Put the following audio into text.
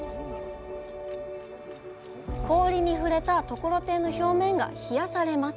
氷に触れたところてんの表面が冷やされます。